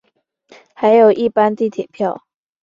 还有一般地铁票